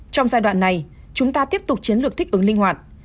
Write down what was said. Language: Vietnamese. trong giai đoạn này chúng ta tiếp tục chiến lược thích ứng linh hoạt